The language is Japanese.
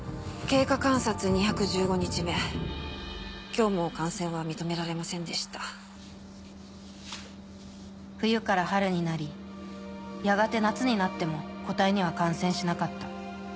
今日も感染は認められませんでした冬から春になりやがて夏になっても個体には感染しなかった。